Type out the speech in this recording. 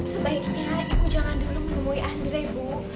sebaiknya ibu jangan dulu menemui andre ibu